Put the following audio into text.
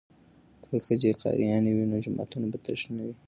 که ښځې قاریانې وي نو جوماتونه به تش نه وي.